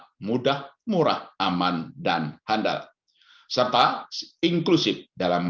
berikut adalah mel geradek paltas untuk penelitian demonstrasi kepala